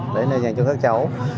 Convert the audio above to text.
đấy là dành cho các cháu